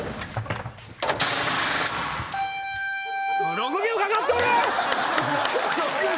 ６秒かかっとる！